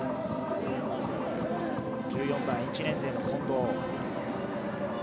１４番・１年生の近藤。